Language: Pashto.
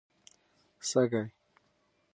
سږی